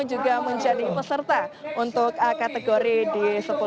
juga menjadi peserta untuk kategori di sepuluh